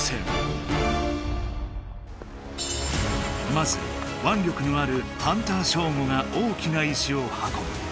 まずわん力のあるハンターショーゴが大きな石を運ぶ。